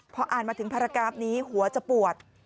พออ่านมาถึงภารกราฟนี้หัวจะปวด